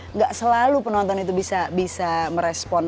nggak selalu penonton itu bisa merespon